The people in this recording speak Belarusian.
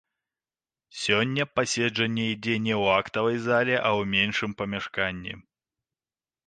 Сёння паседжанне ідзе не ў актавай зале, а ў меншым памяшканні.